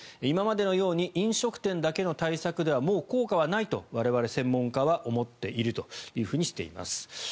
今までのように飲食店だけの対策ではもう効果はないと我々、専門家は思っているとしています。